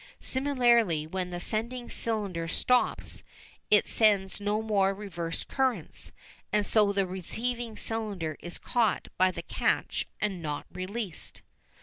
Similarly, when the sending cylinder stops it sends no more reversed currents, and so the receiving cylinder is caught by the catch and not released.